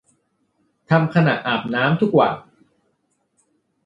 ทำขณะอาบน้ำทุกวัน